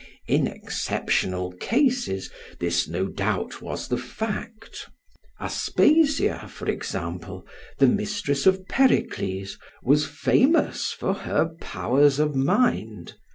In exceptional cases, this, no doubt, was the fact. Aspasia, for example, the mistress of Pericles, was famous for her powers of mind.